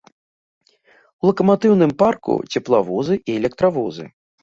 У лакаматыўным парку цеплавозы і электравозы.